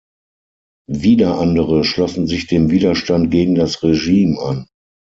Wieder andere schlossen sich dem Widerstand gegen das Regime an.